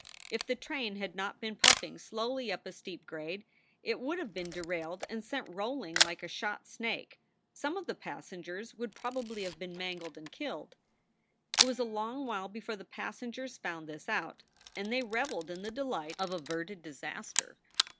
If the train had not been puffing slowly up a steep grade it would have been derailed and sent rolling like a shot snake; some of the passengers would probably have been mangled and killed. It was a long while before the passengers found this out, and they reveled in the delight of averted disaster.